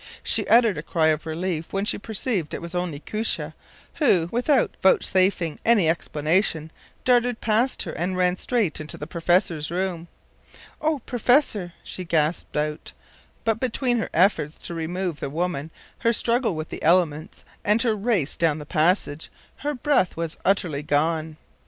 She uttered a cry of relief when she perceived it was only Koosje, who, without vouchsafing any explanation, dashed past her and ran straight into the professor’s room. “O professor!” she gasped out; but, between her efforts to remove the woman, her struggle with the elements, and her race down the passage, her breath was utterly gone.